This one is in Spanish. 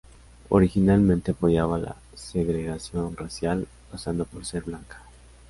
Originalmente apoyaba la segregación racial, pasando por ser blanca.